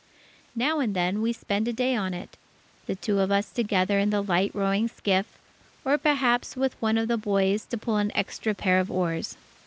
Now and then we spend a day on it, the two of us together in the light rowing skiff, or perhaps with one of the boys to pull an extra pair of oars.